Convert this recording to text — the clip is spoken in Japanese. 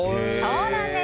そうなんです。